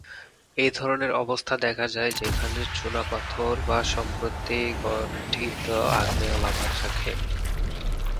এই ধরনের অবস্থা দেখা যায় যেখানে চুনাপাথর বা সম্প্রতি গঠিত আগ্নেয় লাভা থাকে।